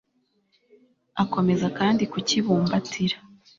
akomeza kandi kukibumbatira